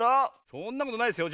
そんなことないですよ。